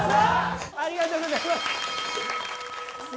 ありがとうございます。